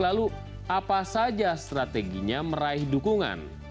lalu apa saja strateginya meraih dukungan